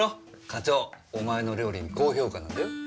課長お前の料理に高評価なんだよ。